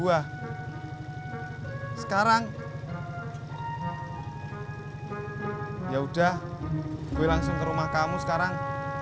delapan aja neng